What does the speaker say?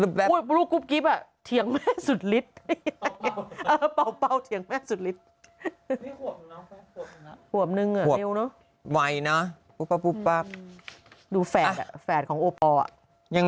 รูปกลุ๊ปกลิ๊บอ่ะก็พูดเป็นเป็นเรื่องไปหลัง